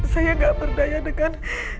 saya nggak berdaya dengan